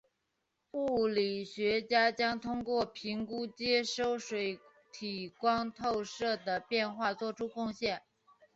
物理学家将通过评估接收水体光透射的变化做出贡献。